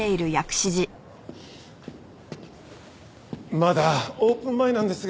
まだオープン前なんですが。